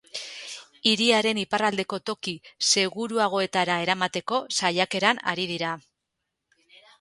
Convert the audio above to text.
Hiriaren iparraldeko toki seguruagoetara eramateko saiakeran ari dira.